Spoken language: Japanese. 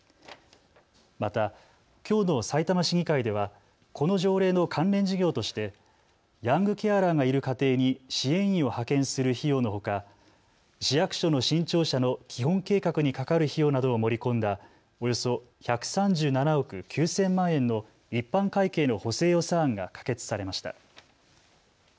またきょうのさいたま市議会ではこの条例の関連事業としてヤングケアラーがいる家庭に支援員を派遣する費用のほか市役所の新庁舎の基本計画にかかる費用などを盛り込んだおよそ１３７億９０００万円の一般会計の補正予算案が可決されました。